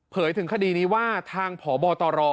ถึงคดีนี้ว่าทางพบตร